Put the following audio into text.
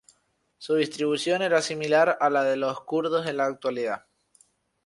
Su distribución era similar a la de los kurdos en la actualidad.